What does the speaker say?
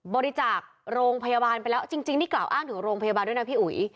บริจาคโรงพยาบาลไปแล้วจริงนี่กล่าวอ้างถึงโรงพยาบาลด้วยนะพี่อุ๋ย